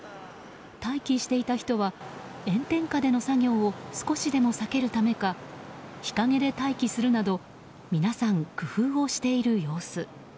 待機していた人は炎天下での作業を少しでも避けるためか日陰で待機するなど皆さん、工夫をしている様子。